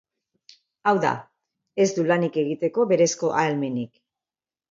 Hau da, ez du lanik egiteko berezko ahalmenik.